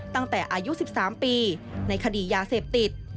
ตั้งแต่อายุ๑๓ปีในคดียาเสพติด